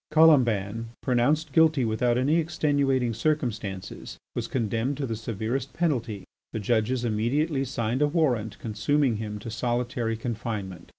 Colomban, pronounced guilty without any extenuating circumstances, was condemned to the severest penalty. The judges immediately signed a warrant consuming him to solitary confinement.